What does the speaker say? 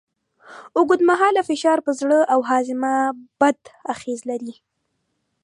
اوږدمهاله فشار پر زړه او هاضمه بد اغېز لري.